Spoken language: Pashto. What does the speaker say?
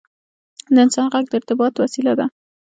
• د انسان ږغ د ارتباط وسیله ده.